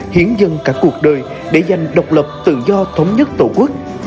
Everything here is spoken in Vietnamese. hiến dân cả cuộc đời để giành độc lập tự do thống nhất tổ quốc